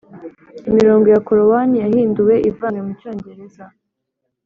imirongo ya korowani yahinduwe ivanywe mu cyongereza